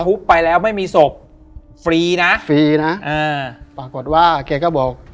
ไปแล้วไม่มีศพฟรีนะฟรีนะอ่าปรากฏว่าแกก็บอก